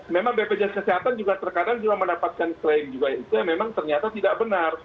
memang bpjs kesehatan juga terkadang juga mendapatkan klaim juga itu yang memang ternyata tidak benar